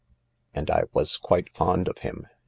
And I was quite fond of him.